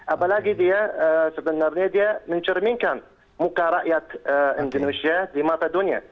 apalagi dia sebenarnya dia mencerminkan muka rakyat indonesia di mata dunia